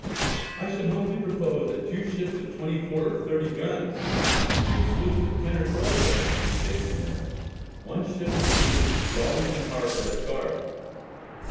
I should humbly propose that two ships of 24 or 30 guns and 2 sloops of 10 or 12 guns should be stationed there, one ship and sloop to be always in harbour as guard."